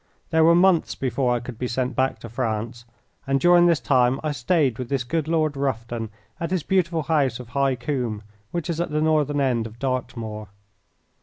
There were months before I could be sent back to France, and during this time I stayed with this good Lord Rufton at his beautiful house of High Combe, which is at the northern end of Dartmoor.